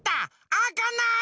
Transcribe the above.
あかない！